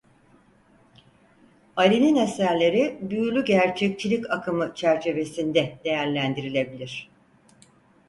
Ali'nin eserleri büyülü gerçekçilik akımı çerçevesinde değerlendirilebilir.